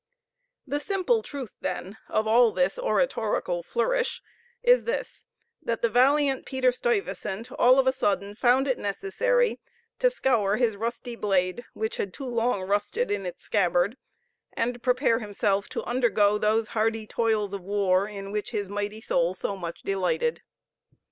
The simple truth, then, of all this oratorical flourish is this: that the valiant Peter Stuyvesant all of a sudden found it necessary to scour his rusty blade, which too long had rusted in its scabbard, and prepare himself to undergo those hardy toils of war, in which his mighty soul so much delighted.